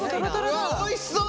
うわっおいしそう！